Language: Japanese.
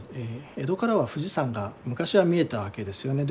江戸からは富士山が昔は見えたわけですよね。